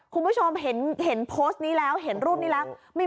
คุณผู้ชมเห็นโพสต์นี้แล้วเห็นรูปนี้แล้ว